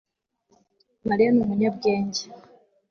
Mariya ni umunyabwenge